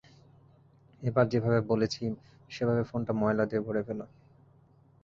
এবার যেভাবে বলেছি সেভাবে ফোনটা ময়লা দিয়ে ভরে ফেল।